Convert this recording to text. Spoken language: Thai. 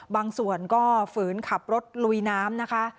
บางส่วนก็ฝืนขับรถลุยน้ำนะคะ